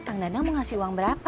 kang danang mau ngasih uang berapa